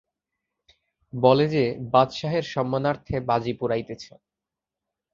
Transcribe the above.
বলে যে, বাদশাহের সম্মানার্থ বাজি পুড়াইতেছে।